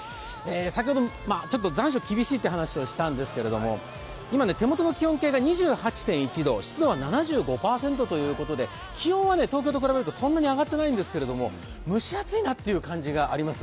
先ほど残暑厳しいって話をしたんですけれども今、手元の気温計が２８．１度、湿度が７５％ということで気温は東京と比べるとそんなに上がっていないんですけれども、蒸し暑いなっていう感じがあります。